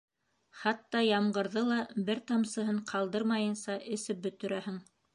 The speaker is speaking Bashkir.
Хатта ямғырҙы ла бер тамсыһын ҡалдырмайынса эсеп бөтөрәһең.